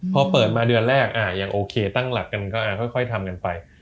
พอเปิดมาเดือนแรกยังโอเคตั้งหลักกันก็ค่อยทำกันไป